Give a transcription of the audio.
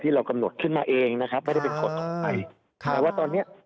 เรากำหนดขึ้นมาเองนะครับไม่ได้เป็นกฎออกไปค่ะแต่ว่าตอนเนี้ย